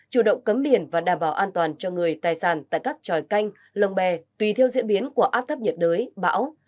chủ động cấm biển và đảm bảo an toàn cho người tài sản tại các tròi canh lồng bè tùy theo diễn biến của áp thấp nhiệt đới bão